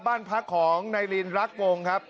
บ้านพักของนายลินรักวงครับ